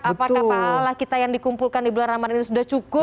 apakah pahala kita yang dikumpulkan di bulan ramadan ini sudah cukup